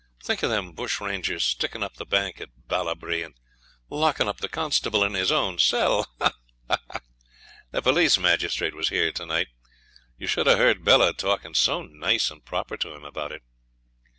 'Think of them bush rangers sticking up the bank at Ballabri, and locking up the constable in his own cell. Ha! ha! The police magistrate was here to night. You should have heard Bella talking so nice and proper to him about it.'